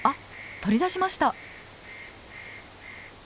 取り出しました。